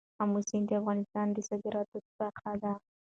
آمو سیند د افغانستان د صادراتو برخه ده.